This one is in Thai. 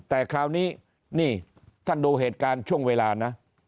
แต่คราวนี้นี่ท่านดูเหตุการณ์ช่วงเวลานะ